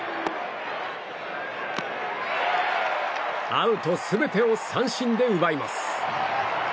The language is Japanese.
アウト全てを三振で奪います。